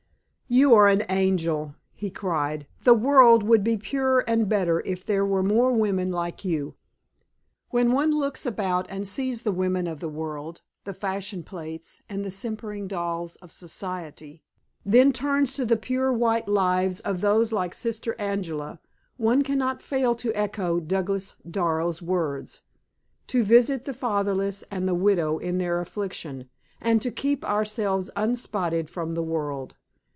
"You are an angel!" he cried. "The world would be purer and better if there were more women like you." When one looks about and sees the women of the world the fashion plates and simpering dolls of society then turns to the pure white lives of those like Sister Angela, one can not fail to echo Douglas Darrow's words: "To visit the fatherless and the widow in their affliction, and to keep ourselves unspotted from the world."